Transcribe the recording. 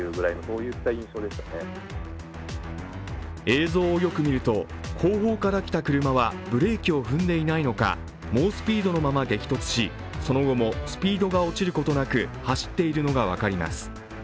映像をよく見ると後方からきた車はブレーキを踏んでいないのか猛スピードのまま激突し、そのままスピードが落ちることなく走っているのが分かります。